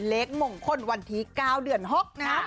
เล็กมงคลวันที๙เดือน๖นะครับ